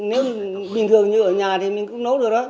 nếu bình thường như ở nhà thì mình cũng nấu được đó